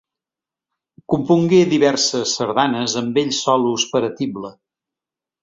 Compongué diverses sardanes amb bells solos per a tible.